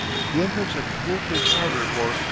the entrance of Bulfinch harbour bore N.